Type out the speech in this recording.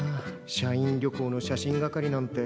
社員旅行の写真係なんて。